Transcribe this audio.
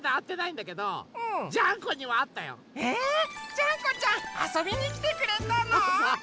ジャンコちゃんあそびにきてくれたの？